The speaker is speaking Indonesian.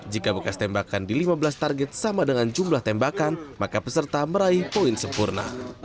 jika bekas tembakan di lima belas target sama dengan jumlah tembakan maka peserta meraih poin sempurna